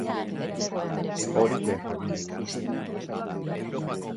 Horixe jakin nahi duguna.